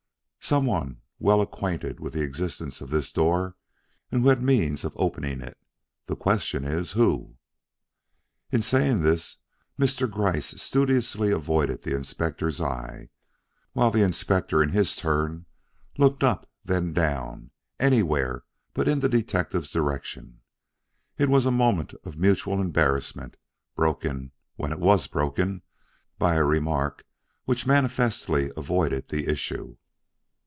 "Some one well acquainted with the existence of this door and who had means of opening it. The question is who?" In saying this, Mr. Gryce studiously avoided the Inspector's eye; while the Inspector in his turn looked up, then down anywhere but in the detective's direction. It was a moment of mutual embarrassment, broken, when it was broken, by a remark which manifestly avoided the issue.